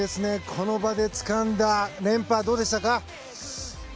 この場でつかんだ連覇どうでしたか？